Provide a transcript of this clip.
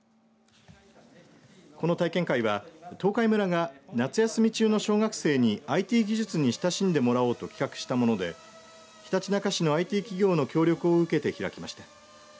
この体験会は東海村が夏休み中の小学生にＩＴ技術に親しんでもらおうと企画したものでひたちなか市のＩＴ企業の協力を受けて開きました。